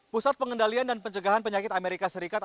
pusat pengendalian dan pencegahan penyakit amerika serikat